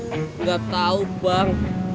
tidak tahu bang